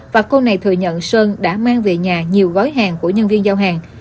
và cô này thừa nhận sơn đã mang về nhà nhiều gói hàng của nhân viên giao hàng